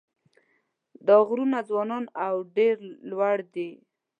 دا غرونه ځوان او ډېر لوړ دي.